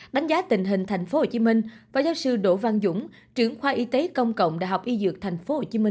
đánh giá tình hình tp hcm và giáo sư đỗ văn dũng trưởng khoa y tế công cộng đh y dược tp hcm